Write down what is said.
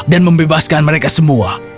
dan membebaskan mereka semua